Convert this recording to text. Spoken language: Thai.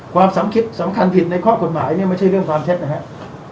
ความสำคิดสำคัญผิดในข้อกฎหมายเนี่ยไม่ใช่เรื่องความเท็จนะครับ